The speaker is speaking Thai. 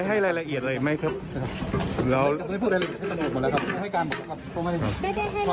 ผมไม่พูดรายละเอียดให้ตำรวจหมดแล้วครับได้ให้การหมดแล้วครับ